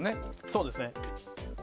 そうですね。